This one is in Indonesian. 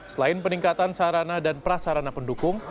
selain peningkatan sarana dan prasarana pendukung